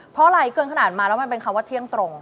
เพราะอะไรเกินขนาดมาแล้วมันเป็นคำว่าเที่ยงตรง